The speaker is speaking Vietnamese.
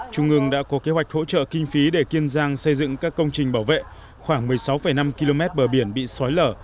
trung ương đã có kế hoạch hỗ trợ kinh phí để kiên giang xây dựng các công trình bảo vệ khoảng một mươi sáu năm km bờ biển bị sói lở